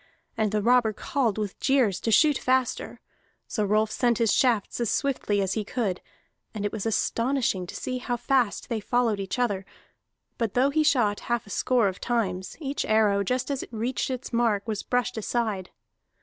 And the robber called with jeers to shoot faster. So Rolf sent his shafts as swiftly as he could, and it was astonishing to see how fast they followed each other; but though he shot half a score of times, each arrow, just as it reached its mark, was brushed aside.